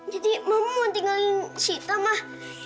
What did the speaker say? jadi mama mau tinggalin sita mah